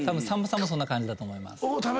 さんまさんもそんな感じだと思います。